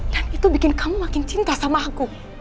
dan itu bikin kamu makin cinta sama aku